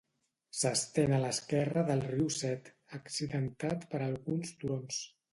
S'estén a l'esquerre del riu Set, accidentat per alguns turons.